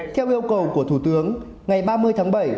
theo yêu cầu của thủ tướng ngày ba mươi tháng bảy